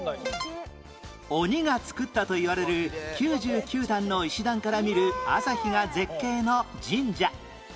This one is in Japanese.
鬼が造ったといわれる９９段の石段から見る朝日が絶景の神社